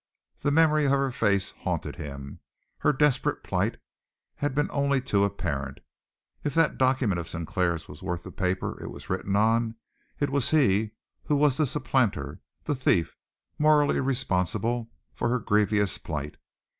The memory of her face haunted him, her desperate plight had been only too apparent. If that document of Sinclair's was worth the paper it was written on, it was he who was the supplanter, the thief, morally responsible for her grievous plight!